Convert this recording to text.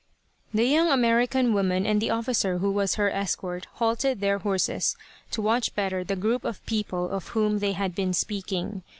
The young American woman and the officer who was her escort halted their horses to watch better the group of people of whom they had been speaking.